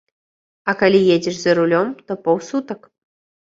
А калі едзеш за рулём, то паўсутак.